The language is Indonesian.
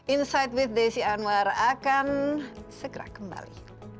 insight with desi anwar akan segera kembali